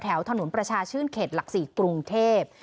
แถวถนนประชาชื่นเขตหลัก๔กรุงเทพ